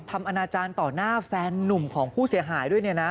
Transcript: อนาจารย์ต่อหน้าแฟนนุ่มของผู้เสียหายด้วยเนี่ยนะ